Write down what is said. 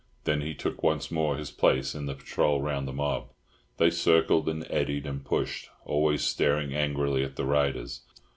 Then he took once more his place in the patrol round the mob. They circled and eddied and pushed, always staring angrily at the riders.